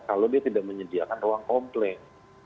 kalau dia tidak menyediakan ruang komplain